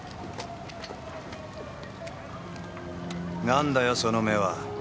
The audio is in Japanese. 何だよその目は。